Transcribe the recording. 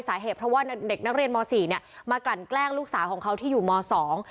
สาเหตุเพราะว่าเด็กนักเรียนมสี่เนี้ยมากลั่นแกล้งลูกสาวของเขาที่อยู่มสอง